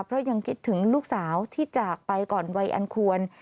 เพราะยังคิดถึงลูกสาวที่จากไปก่อนวัยอันควร